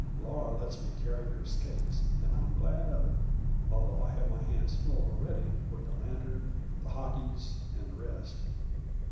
Laura lets me carry her skates, an' I'm glad of it, although I have my hands full already with the lantern, the hockies, and the rest.